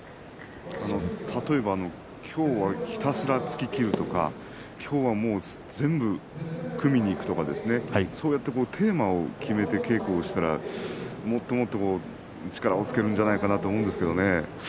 例えば今日はひたすら突ききるとか今日は全部組みにいくとかそうやってテーマを決めて稽古ををしたらもっともっと力をつけるんじゃそうですね。